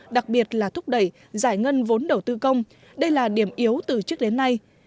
đặc biệt là thúc đẩy giải ngân vốn đầu tư công đây là điểm yếu từ trước đến nay